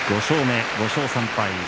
５勝目、５勝３敗。